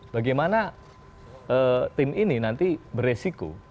bagaimana tim ini nanti beresiko